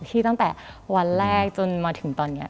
ตั้งแต่วันแรกจนมาถึงตอนนี้